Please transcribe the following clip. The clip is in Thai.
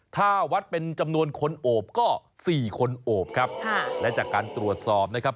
ถ้าวัดเป็นจำนวนคนโอบก็สี่คนโอบครับค่ะและจากการตรวจสอบนะครับ